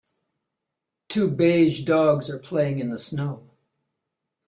Two beige dogs are playing in the snow